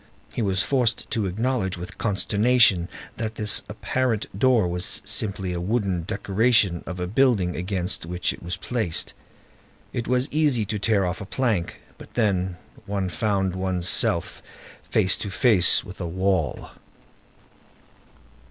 He was forced to acknowledge with consternation that this apparent door was simply the wooden decoration of a building against which it was placed. It was easy to tear off a plank; but then, one found one's self face to face with a wall.